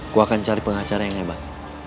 aku akan cari pengacara yang hebat